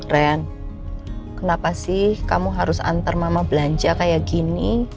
ren kenapa sih kamu harus antar mama belanja kayak gini